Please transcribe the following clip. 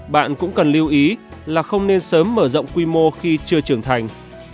bạn cũng cần lưu ý là không nên sớm mở rộng quy mô khi chưa trưởng thành